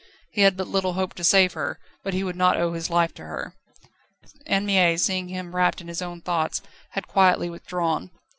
He had but little hope to save her, but he would not owe his life to her. Anne Mie, seeing him wrapped in his own thoughts, had quietly withdrawn.